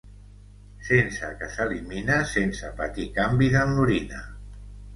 Sense que s’elimina sense patir canvis en l'orina.